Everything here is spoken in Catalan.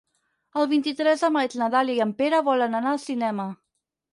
El vint-i-tres de maig na Dàlia i en Pere volen anar al cinema.